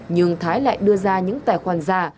nhưng thái lại đưa ra những tài khoản già